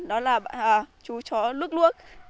đó là chú chó lước luốc